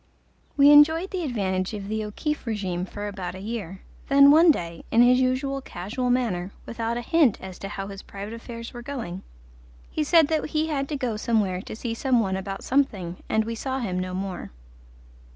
We enjoyed the advantage of the O'Keefe regime for about a year, then one day, in his usual casual manner, without a hint as to how his private affairs were going, he said that he had to go somewhere to see some one about something, and we saw him no more.